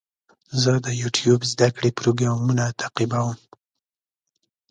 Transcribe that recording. زه د یوټیوب زده کړې پروګرامونه تعقیبوم.